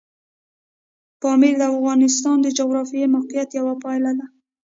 پامیر د افغانستان د جغرافیایي موقیعت یوه پایله ده.